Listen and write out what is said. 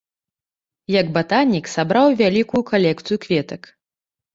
Як батанік, сабраў вялікую калекцыю кветак.